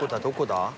どこだ？